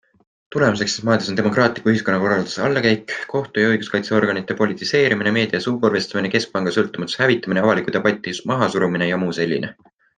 Tulemuseks neis maades on demokraatliku ühiskonnakorralduse allakäik - kohtu ja õiguskaitseorganite politiseerimine, meedia suukorvistamine, keskpanga sõltumatuse hävitamine, avaliku debati mahasurumine jms.